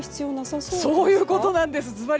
そういうことなんですずばり。